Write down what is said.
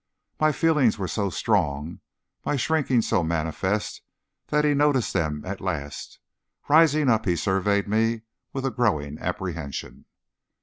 My feelings were so strong, my shrinking so manifest, that he noticed them at last. Rising up, he surveyed me with a growing apprehension.